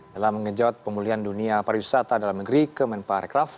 dalam mengejot pemulihan dunia pariwisata dalam negeri kemen parikraf